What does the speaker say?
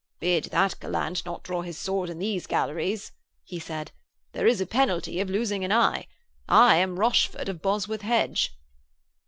'Bid that gallant not draw his sword in these galleries,' he said. 'There is a penalty of losing an eye. I am Rochford of Bosworth Hedge.'